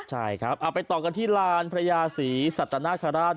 ใช่ครับไปต่อกันที่ลานพระยาศีสัตว์ตนาคาราช